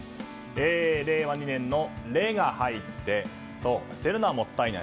令和２年の「レ」が入って捨てるのはもったいない。